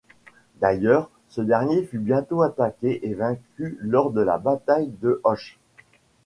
D'ailleurs, ce dernier fut bientôt attaqué et vaincu lors de la bataille de Höchst.